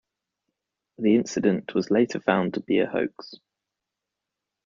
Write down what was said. The incident was later found to be a hoax.